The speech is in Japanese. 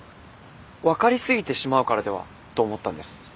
分かり過ぎてしまうからではと思ったんです。